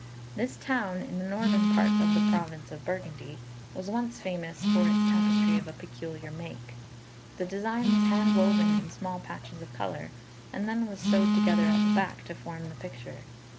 This town, in the northern part of the province of Burgundy, was once famous for its tapestry of a peculiar make. The design was handwoven in small patches of colour, and then was sewed together at the back to form the picture.